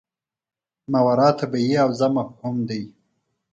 ماورا الطبیعي حوزه مفهوم دی.